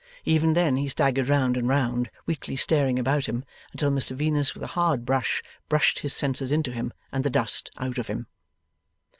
Even then he staggered round and round, weakly staring about him, until Mr Venus with a hard brush brushed his senses into him and the dust out of him.